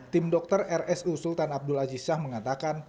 tim dokter rsu sultan abdul aziz syah mengatakan